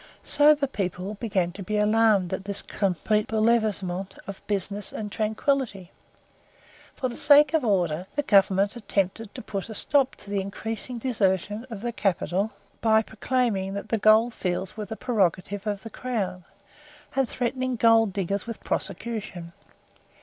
Sober people began to be alarmed at this complete BOULEVERSEMENT of business and tranquillity. For the sake of order the Governor attempted to put a stop to the increasing desertion of the capital by proclaiming that the gold fields were the prerogative of the Crown, and threatening gold diggers with prosecution.